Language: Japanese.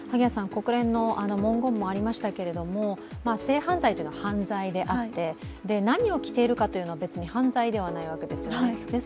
国連の文言もありましたけれども性犯罪というのは犯罪であって、何を着ているかというのは別に犯罪ではないわけですよね。